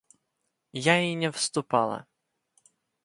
– Я и не вступала.